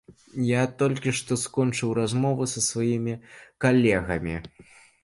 Я толькі што скончыў размову са сваімі калегамі.